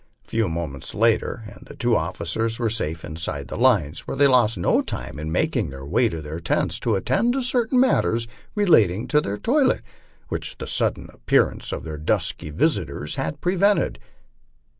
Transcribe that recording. A few moments later and the two officers were safe inside the lines, where they lost no time in making their way to their tents to at tend to certain matters relating to their toilet which the sudden appearance of their dusky visitors had prevented.